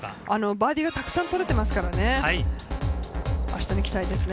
バーディーがたくさん取れていますからね、明日に期待です。